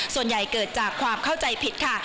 ส่วนใหญ่เกิดจากความเข้าใจผิดค่ะ